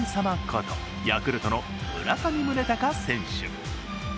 ことヤクルトの村上宗隆選手。